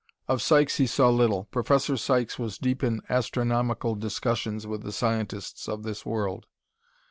Of Sykes he saw little; Professor Sykes was deep in astronomical discussions with the scientists of this world.